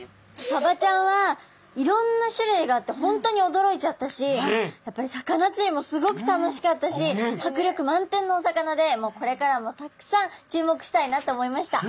サバちゃんはいろんな種類があってホントに驚いちゃったしやっぱり魚つりもすごく楽しかったし迫力満点のお魚でこれからもたくさん注目したいなと思いました。